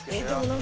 何？